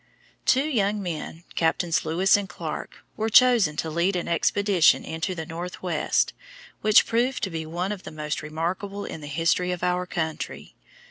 Two young men, Captains Lewis and Clark, were chosen to lead an expedition into the Northwest, which proved to be one of the most remarkable in the history of our country.